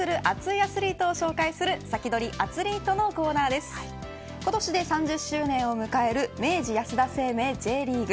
アツリートの今年で３０周年を迎える明治安田生命Ｊリーグ。